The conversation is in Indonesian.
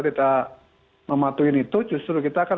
tidak mematuhi itu justru kita akan